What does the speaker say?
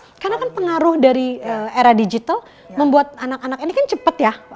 karena kan pengaruh dari era digital membuat anak anak ini kan cepet ya